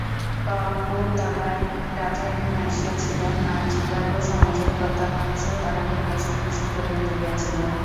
কপুরতলার রাজা এখানে আসিয়াছিলেন, আর চিকাগো সমাজের কতকাংশ তাঁহাকে কেষ্ট-বিষ্টু করিয়া তুলিয়াছিল।